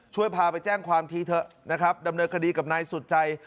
พาไปแจ้งความทีเถอะนะครับดำเนินคดีกับนายสุดใจ